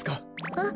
あっ。